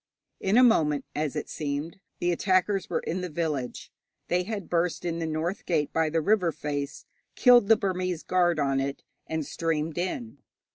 In a moment, as it seemed, the attackers were in the village. They had burst in the north gate by the river face, killed the Burmese guard on it, and streamed in.